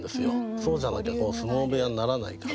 そうじゃなきゃ相撲部屋にならないから。